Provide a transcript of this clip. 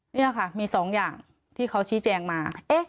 นี่ค่ะมี๒อย่างที่เขาชี้แจงมา